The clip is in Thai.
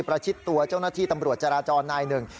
ประชิดตัวเจ้าหน้าที่ตำรวจจราจรนายหนึ่ง